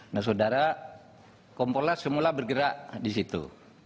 nah saudara kompo nas semula bergerak di situ